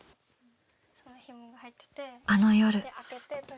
あの夜。